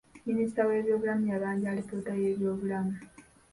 Minisita w'ebyobulamu yabanja alipoota y'ebyobulamu.